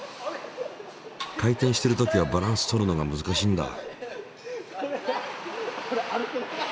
回転してるときはバランスとるのが難しいんだ。